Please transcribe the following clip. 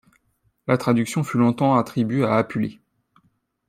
La traduction fut longtemps attribuée à Apulée.